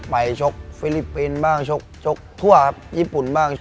ชกฟิลิปปินส์บ้างชกทั่วครับญี่ปุ่นบ้าง